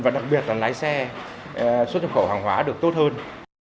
và đặc biệt là lái xe xuất nhập khẩu hàng hóa được tốt hơn